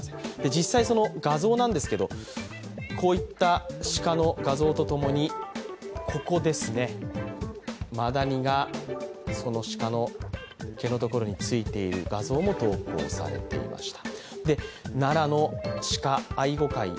実際、画像なんですけどこういった鹿の画像とともにここですね、マダニがその鹿の毛のところについている画像も投稿されていました。